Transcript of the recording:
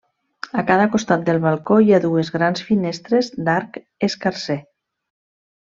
A cada costat del balcó hi ha dues grans finestres d'arc escarser.